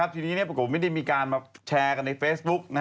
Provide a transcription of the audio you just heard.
ทีนี้ปรากฏไม่ได้มีการมาแชร์กันในเฟซบุ๊ก